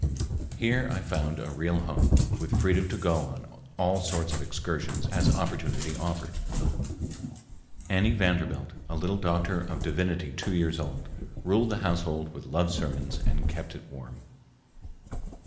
Here I found a real home, with freedom to go on all sorts of excursions as opportunity offered. Annie Vanderbilt, a little doctor of divinity two years old, ruled the household with love sermons and kept it warm.